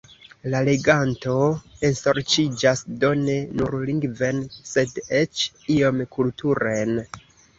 La leganto ensorĉiĝas do ne nur lingven, sed eĉ iom kulturen.